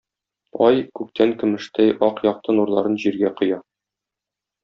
Ай күктән көмештәй ак якты нурларын җиргә коя